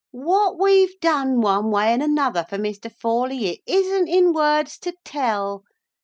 "What we've done, one way and another for Mr. Forley, it isn't in words to tell!